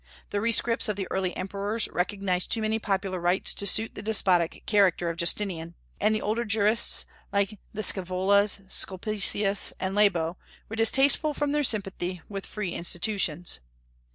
The rescripts of the early emperors recognized too many popular rights to suit the despotic character of Justinian; and the older jurists, like the Scaevolas, Sulpicius, and Labeo, were distasteful from their sympathy with free institutions.